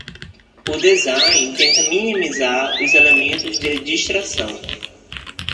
O design tenta minimizar os elementos de distração.